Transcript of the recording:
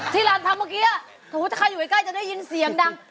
ที่รันทำเมื่อกี้เขาอยู่ไว้ใกล้จะได้ยินเสียงดัง